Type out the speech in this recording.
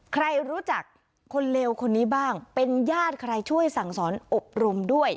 ใครรู้จักคนเลวคนนี้บ้างเป็นญาติใครช่วยสั่งสอนอบรมด้วย